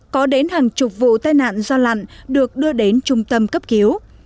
có đến hàng chục vụ tai nạn do lặn được đưa đến trung tâm cấp cứu